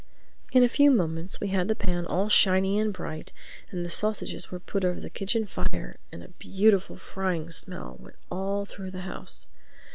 In a few moments we had the pan all shiny and bright and the sausages were put over the kitchen fire and a beautiful frying smell went all through the house.